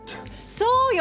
そうよ